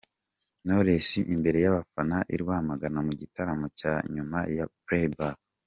Knowless imbere y’abafana i Rwamagana mu gitaramo cya nyuma cya Playback.